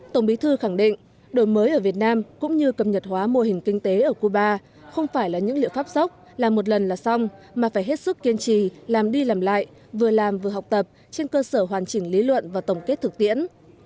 tổng bí thư khẳng định đổi mới ở việt nam cũng như cập nhật hóa mô hình kinh tế ở cuba không phải là những liệu pháp sốc làm một lần là xong mà phải hết sức kiên trì làm đi làm lại vừa làm vừa học tập trên cơ sở hoàn chỉnh lý luận và tổng kết thực tiễn